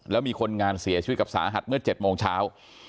แล้วมีคนงานเสียชีวิตกับสาหัสเมื่อ๗โมงเช้า